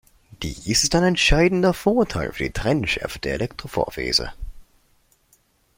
Dies ist ein entscheidender Vorteil für die Trennschärfe der Elektrophorese.